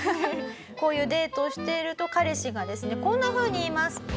こういうデートをしていると彼氏がですねこんなふうに言います。